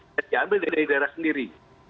yang diambil dari daerah sendiri